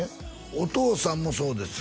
お父さんもそうですよ